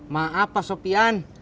maaf pak sopian